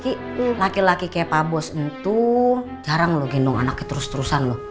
kiki laki laki kayak pak bos itu jarang lu gendong anaknya terus terusan lo